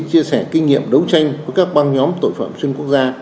chia sẻ kinh nghiệm đấu tranh với các băng nhóm tội phạm xuyên quốc gia